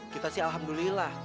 kita sih alhamdulillah